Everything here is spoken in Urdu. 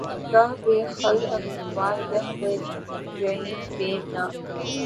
گاہ بہ خلد امیدوار‘ گہہ بہ جحیم بیم ناک